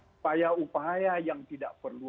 upaya upaya yang tidak perlu